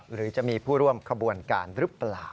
หรือจะมีผู้ร่วมขบวนการหรือเปล่า